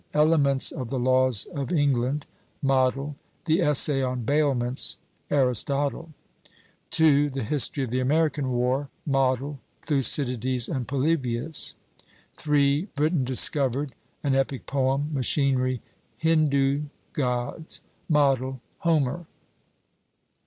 Elements of the Laws of England. Model The Essay on Bailments. ARISTOTLE. 2. The History of the American War. Model THUCYDIDES and POLYBIUS. 3. Britain Discovered, an Epic Poem. Machinery Hindu Gods. Model HOMER.